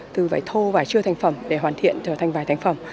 từ vải thô vải chưa thành phẩm để hoàn thiện trở thành vải thành phẩm